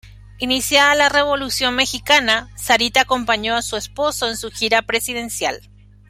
Iniciada la Revolución mexicana, Sarita acompañó a su esposo en su gira presidencial.